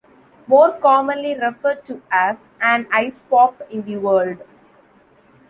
More commonly referred to as an Ice Pop in the world.